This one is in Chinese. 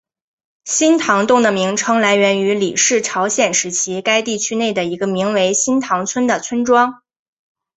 新堂洞的名称来源于李氏朝鲜时期该地区内的一个名为新堂村的村庄。